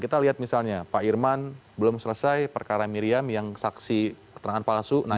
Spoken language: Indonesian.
kita lihat misalnya pak irman belum selesai perkara miriam yang saksi keterangan palsu